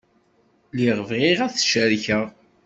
Lliɣ bɣiɣ ad t-cerkeɣ.